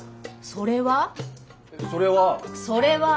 それは？